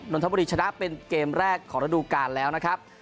นทบุรีชนะเป็นเกมแรกของระดูการแล้วนะครับ